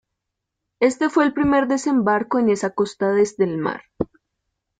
Este fue el primer desembarco en esa costa desde el mar.